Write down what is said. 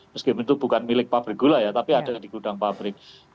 meskipun itu bukan milik pabrik gula ya tapi ada di gudang pabrik